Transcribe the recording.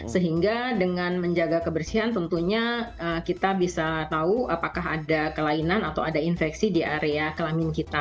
sehingga dengan menjaga kebersihan tentunya kita bisa tahu apakah ada kelainan atau ada infeksi di area kelamin kita